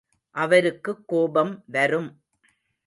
அவருக்குக் கோபம் வரும்.